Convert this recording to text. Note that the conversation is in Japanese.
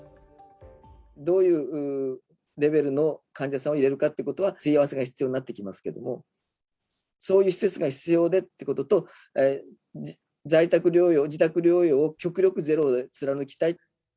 どういうレベルの患者さんを入れるかということは、すり合わせが必要になってきますけれども、そういう施設が必要でってことて、在宅療養、自宅療養を極力ゼロで貫きたい。